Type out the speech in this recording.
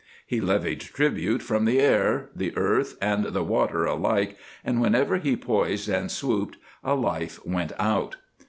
He levied tribute from the air, the earth, and the water alike, and whenever he poised and swooped, a life went out.